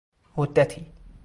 مدتی